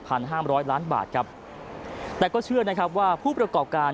ห้ามร้อยล้านบาทครับแต่ก็เชื่อนะครับว่าผู้ประกอบการ